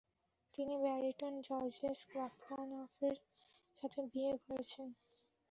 তিনি baritone Georges বাকলানফের সাথে বিয়ে করেছিলেন।